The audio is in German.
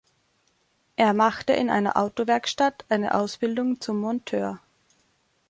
Er machte in einer Autowerkstatt eine Ausbildung zum Monteur.